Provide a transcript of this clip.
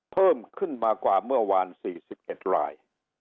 เพิ่มขึ้นมากว่าเมื่อวาน๔๑ราย